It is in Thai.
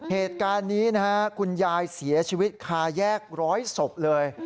เหตุการณ์นี้นะฮะคุณยายเสียชีวิตคาแยกร้อยศพเลย